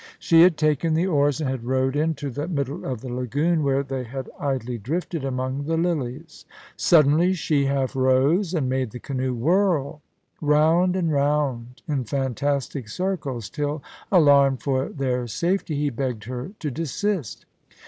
She had taken the oars and had rowed into the middle of the lagoon, where they had idly drifted among the lilies. Suddenly she half rose, and made the canoe whirl round and round in fantastic circles, till, alarmed for their safety, he begged her to desist.